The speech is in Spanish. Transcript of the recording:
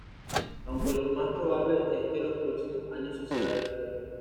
Aunque lo más probable es que en los próximos años suceda esto.